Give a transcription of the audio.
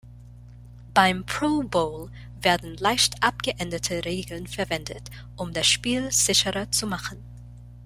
Beim Pro Bowl werden leicht abgeänderte Regeln verwendet, um das Spiel sicherer zu machen.